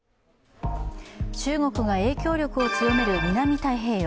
中国が影響力を強める南太平洋。